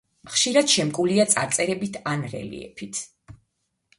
ხშირად შემკულია წარწერებით ან რელიეფით.